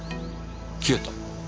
消えた？